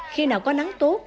khi nào có nắng tốt